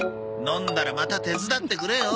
飲んだらまた手伝ってくれよ。